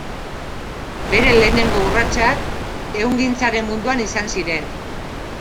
Bere lehenengo urratsak ehungintzaren munduan izan ziren.